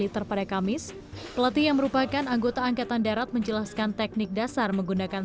terhadap kamis pelatih yang merupakan anggota angkatan darat menjelaskan teknik dasar menggunakan